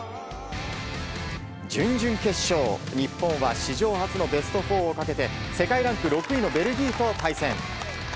準々決勝、日本は史上初のベスト４をかけて世界ランク６位のベルギーと対戦。